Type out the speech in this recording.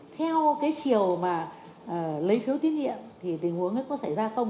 theo cái chiều mà lấy phiếu tín nhiệm thì tình huống ấy có xảy ra không